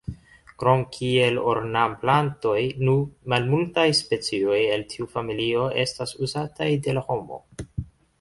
Krom kiel ornamplantoj nu malmultaj specioj el tiu familio estas uzataj de la homo.